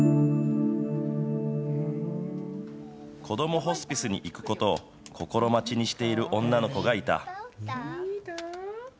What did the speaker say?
こどもホスピスに行くことを心待ちにしている女の子がいた。